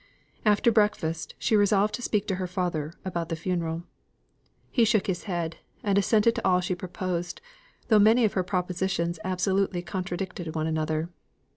After breakfast, she resolved to speak to her father about the funeral. He shook his head, and assented to all she proposed, though many of her propositions absolutely contradicted one another.